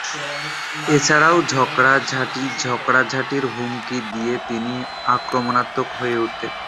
এছাড়া, ঝগড়াঝাঁটি ও ঝগড়াঝাঁটির হুমকি দিয়ে তিনি আক্রমণাত্মক হয়ে উঠতেন।